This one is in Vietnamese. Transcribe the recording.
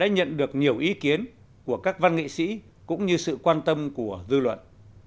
nhiều ý kiến của các văn nghị sĩ cũng như sự quan tâm của dư luận